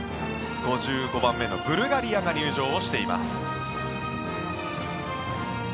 ５５番目のブルガリアが入場しています。